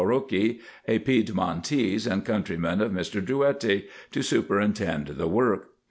149 Moroki, a Piedmontese, and countryman of Mr. Drouetti, to su perintend the work.